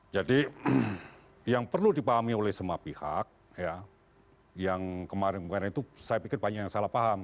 jadi yang perlu dipahami oleh semua pihak yang kemarin kemarin itu saya pikir banyak yang salah paham